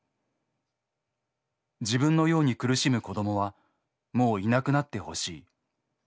自分のように苦しむ子供はもう居なくなって欲しい。